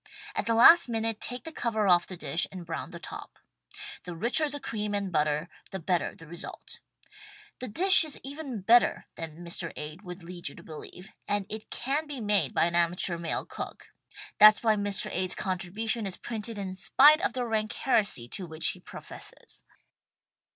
At the last minute take the cover off the dish and brown the top. The richer the cream and butter the better the result. The dish is' even better than Mr. Ade would lead you to believe, and it can be made by an amateur male cook — that's why Mr. Ade's contribution is printed in spite of the rank heresy to which he professes.